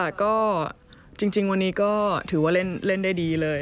ค่ะก็จริงวันนี้ก็ถือว่าเล่นได้ดีเลย